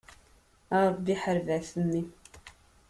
A Ṛebbi ḥareb ɣef mmi.